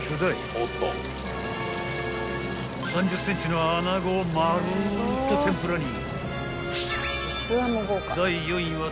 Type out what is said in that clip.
［３０ｃｍのアナゴをまるっと天ぷらに］